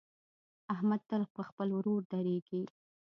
احمد تل پر خپل ورور درېږي.